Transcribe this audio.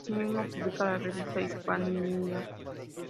Asimismo, publica la revista "Hispania".